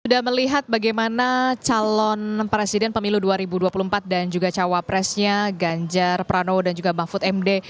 sudah melihat bagaimana calon presiden pemilu dua ribu dua puluh empat dan juga cawapresnya ganjar pranowo dan juga mahfud md